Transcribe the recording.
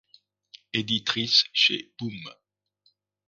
Éditrice chez Boom!